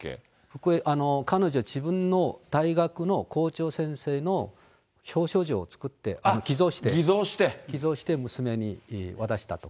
これ、彼女、自分の大学の校長先生の表彰状を作って、偽造して娘に渡したとか。